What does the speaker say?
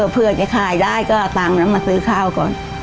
เพื่อจะขายได้ก็ตังน้ำมาซื้อข้าวก่อน